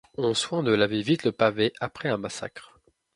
Ont soin de laver vite le pavé après un massacre.